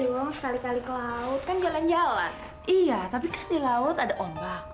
iya tapi kan di laut ada ombak